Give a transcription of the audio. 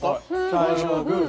最初はグー。